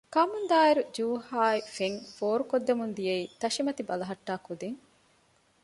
ކަމުން ދާއިރު ޖޫހާއި ފެން ފޯރު ކޮށްދެމުންދިޔައީ ތަށި މަތި ބަލަހަޓާ ކުދިން